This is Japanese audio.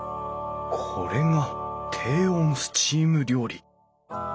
これが低温スチーム料理